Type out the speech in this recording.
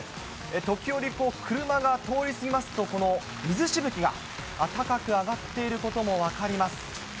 時折、車が通り過ぎますと、水しぶきが高く上がっていることも分かります。